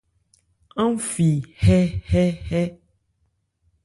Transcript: Aán fi hɛ́hɛ́hɛ́.